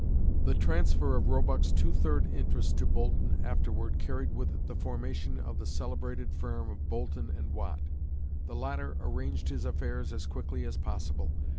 The transfer of Roebuck's two third interest to Boulton afterward carried with it the formation of the celebrated firm of Boulton and Watt. The latter arranged his affairs as quickly as possible.